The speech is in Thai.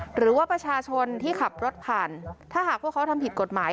หรือว่าประชาชนที่ขับรถผ่านถ้าหากพวกเขาทำผิดกฎหมาย